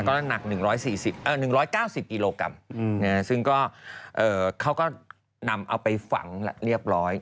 ก็น้ำหนัก๑๙๐กิโลกรัมซึ่งก็เขาก็นำเอาไปฝังเรียบร้อย